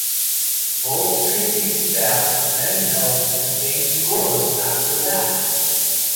Both pitching staffs then held the game scoreless after that.